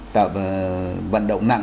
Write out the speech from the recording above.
tạo vận động nặng